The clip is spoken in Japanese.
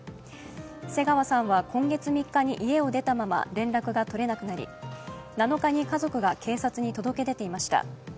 瀬川さんは今月３日に家を出たまま連絡が取れなくなり７日に家族が警察に届け出ていました。